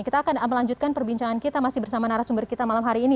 kita akan melanjutkan perbincangan kita masih bersama narasumber kita malam hari ini